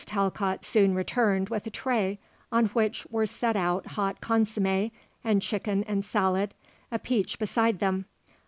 Talcott soon returned with a tray on which were set out hot consommée and chicken and salad, a peach beside them.